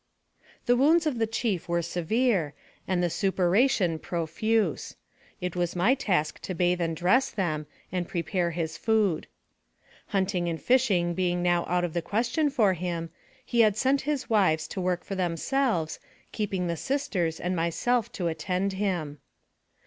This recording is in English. The wounds of the chief were severe, and the sup puration profuse. It was my task to bathe and dress them, and prepare his food. Hunting and fishing being now out of the question for him, he had sent his wives to work for themselves, keeping the sisters and myself to attend him.